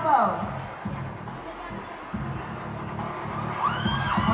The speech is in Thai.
ก็ได้